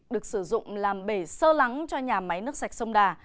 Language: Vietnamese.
được sử dụng làm bể sơ lắng cho nhà máy nước sạch sông đà